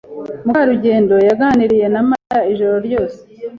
Mukarugendo yaganiriye na Mariya ijoro ryose.